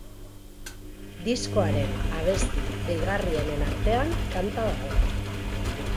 Diskoaren abesti deigarrienen artean kanta dago.